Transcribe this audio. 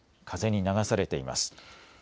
風に流されています。